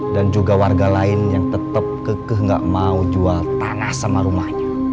dan juga warga lain yang tetap kekeh nggak mau jual tanah sama rumahnya